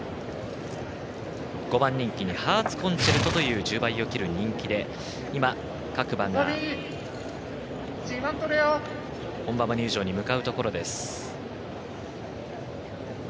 ５番人気にハーツコンチェルトという１０倍を切る人気で、各馬が本馬場入場に向かうところです。